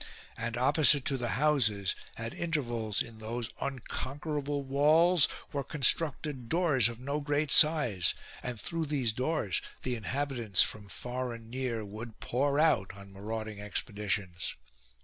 And opposite to the houses, at intervals in those unconquerable walls, were constructed doors of no great size ; and through these doors the inhabitants from far and near would pour out on marauding expeditions.